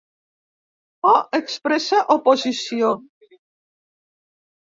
"O" expressa oposició.